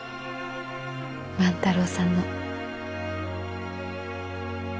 万太郎さんの。